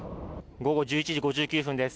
午後１１時５９分です